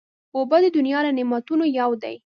اوبه د دنیا له نعمتونو یو دی.